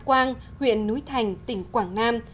quang huyện núi thành tỉnh quảng nam